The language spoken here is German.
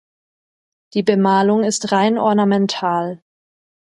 Die Bemalung ist rein ornamental.